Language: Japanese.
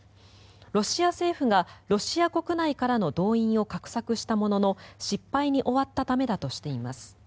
ロシア政府がロシア国内からの動員を画策したものの失敗に終わったためだとしています。